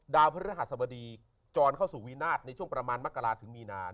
ดาวพระธนาภาษณภ์สบดีจรเข้าสู่วินาธน์ในช่วงประมาณมะการาถึงมีนา